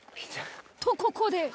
とここで。